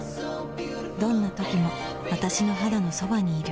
どんな時も私の肌のそばにいる